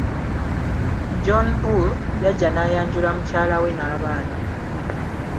John-Bull, yajja n'ayanjula mukyala we n'abaana!